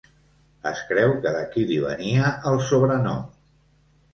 Es creu que d'aquí li venia el sobrenom.